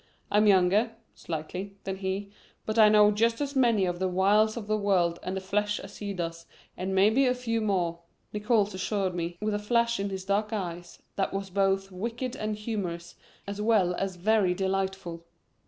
I'm younger slightly than he, but I know just as many of the wiles of the world and the flesh as he does and maybe a few more," Nickols assured me, with a flash in his dark eyes that was both wicked and humorous, as well as very delightful.